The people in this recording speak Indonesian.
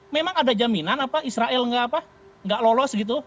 memang ada jaminan apa israel nggak lolos gitu